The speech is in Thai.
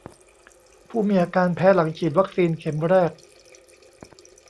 ผู้มีอาการแพ้หลังฉีดวัคซีนเข็มแรก